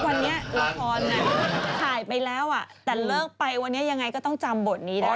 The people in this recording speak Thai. วันนี้ละครถ่ายไปแล้วแต่เลิกไปวันนี้ยังไงก็ต้องจำบทนี้ได้